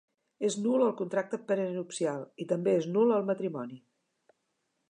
És nul el contracte prenupcial, i també és nul el matrimoni.